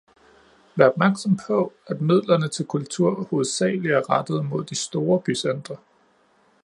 Vær opmærksom på, at midlerne til kultur hovedsageligt er rettet mod de store bycentre.